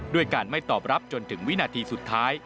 ด้วยการไม่ตอบรับจนถึงวินาทีสุดท้าย